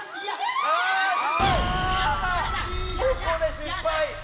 あここで失敗！